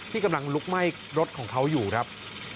กำลังลุกไหม้รถของเขาอยู่ครับ